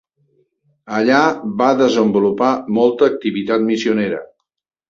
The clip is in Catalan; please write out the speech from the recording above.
Allà va desenvolupar molta activitat missionera.